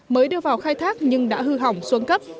mới đưa vào khai thác nhưng đã hư hỏng xuống cấp